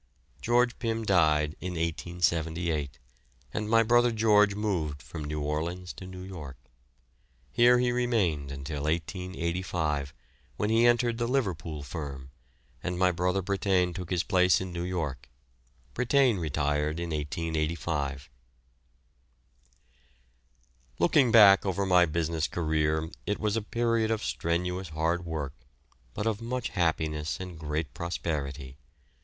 George Pim died in 1878, and my brother George moved from New Orleans to New York. Here he remained until 1885, when he entered the Liverpool firm, and my brother Brittain took his place in New York; Brittain retired in 1885. Looking back over my business career, it was a period of strenuous hard work, but of much happiness and great prosperity.